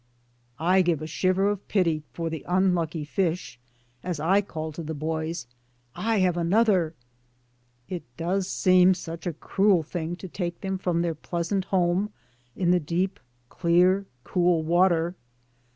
I give a shiver of pity DAYS ON THE ROAD. 211 for the unlucky fish, as I call to the boys: I have another." It does seem such a cruel thing to take them from their pleasant home in the deep, clear, cool water.